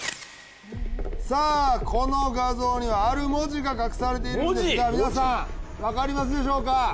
さあこの画像にはある文字が隠されているんですが皆さんわかりますでしょうか。